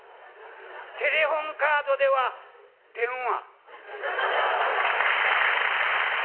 テレホンカードではデンワ。